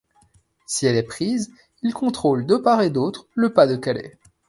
Si elle est prise, ils contrôlent de part et d'autre le pas de Calais.